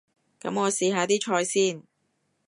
噉我試下啲菜先